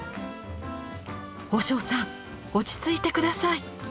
「和尚さん落ち着いて下さい！」。